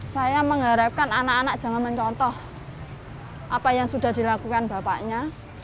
saya mengharapkan anak anak jangan mencontoh apa yang sudah dilakukan bapaknya